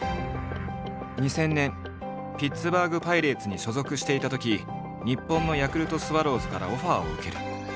２０００年ピッツバーグ・パイレーツに所属していたとき日本のヤクルトスワローズからオファーを受ける。